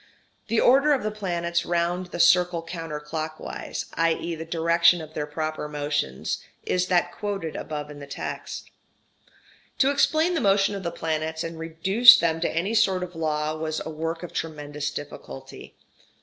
The order of the planets round the circle counter clockwise, i.e. the direction of their proper motions, is that quoted above in the text. To explain the motion of the planets and reduce them to any sort of law was a work of tremendous difficulty.